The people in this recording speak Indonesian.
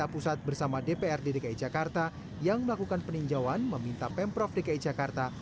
pusat bersama dprd dki jakarta yang melakukan peninjauan meminta pemprov dki jakarta